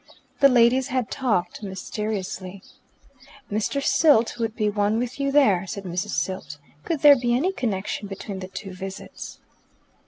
The ladies had talked mysteriously. "Mr. Silt would be one with you there," said Mrs. Silt. Could there be any connection between the two visits?